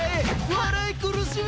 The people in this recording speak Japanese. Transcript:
笑い苦しめ！